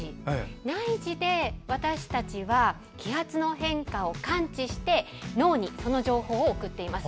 内耳で、私たちは気圧の変化を感知して脳にその情報を送っています。